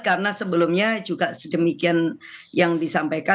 karena sebelumnya juga sedemikian yang disampaikan